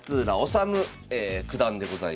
修九段でございます。